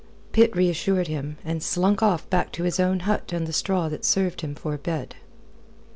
Pitt reassured him, and slunk off back to his own hut and the straw that served him for a bed.